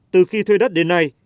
từ khi thuê đất đến nay